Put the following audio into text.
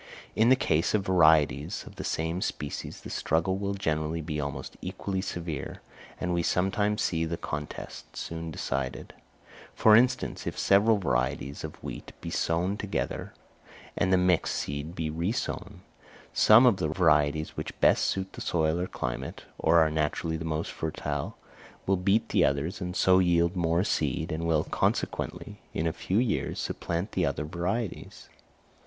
In the case of varieties of the same species, the struggle will generally be almost equally severe, and we sometimes see the contest soon decided: for instance, if several varieties of wheat be sown together, and the mixed seed be resown, some of the varieties which best suit the soil or climate, or are naturally the most fertile, will beat the others and so yield more seed, and will consequently in a few years supplant the other varieties.